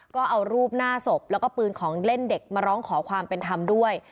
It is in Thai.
ก็เอารูปหน้าศพแล้วก็ปืนของเล่นเด็กมาร้องขอความเป็นธรรมด้วย